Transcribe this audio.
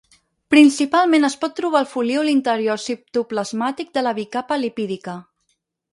Principalment es pot trobar al folíol interior citoplasmàtic de la bicapa lipídica.